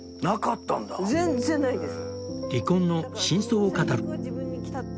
全然ないです。